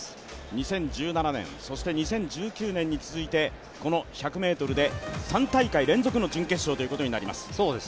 ２０１７年、そして２０１９年に続いて１００ｍで３大会連続の準決勝ということになります。